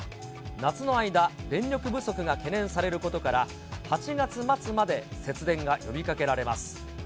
夏の間、電力不足が懸念されることから、８月末まで節電が呼びかけられます。